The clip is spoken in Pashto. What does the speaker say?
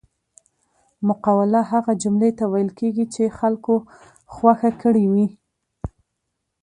مقوله هغه جملې ته ویل کېږي چې خلکو خوښه کړې وي